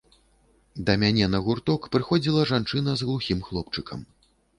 Да мяне на гурток прыходзіла жанчына з глухім хлопчыкам.